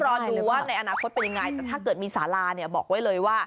ก็ต้องรอดูว่าในอนาคตเป็นยังไงถ้าเกิดมีสาลาบอกไว้เลยว่า